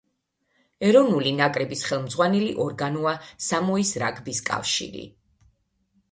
ეროვნული ნაკრების ხელმძღვანელი ორგანოა სამოის რაგბის კავშირი.